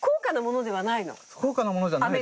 高価なものじゃないです。